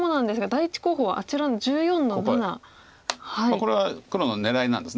これは黒の狙いなんです。